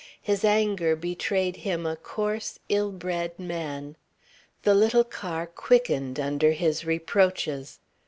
His anger betrayed him a coarse, ill bred man. The little car quickened under his reproaches.